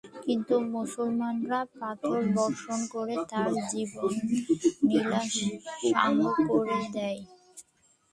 কিন্তু মুসলমানরা পাথর বর্ষণ করে তার জীবনলীলা সাঙ্গ করে দেয়।